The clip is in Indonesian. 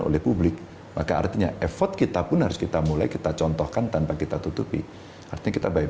oleh publik maka artinya effort kita pun harus kita mulai kita contohkan tanpa kita tutupi artinya kita baik